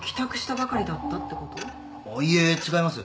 いえ違います。